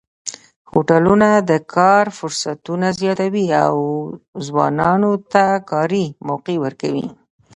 هوټلونه د کار فرصتونه زیاتوي او ځوانانو ته کاري موقع ورکوي.